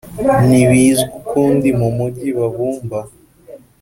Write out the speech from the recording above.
ntibizwi ukundi mumujyi babumba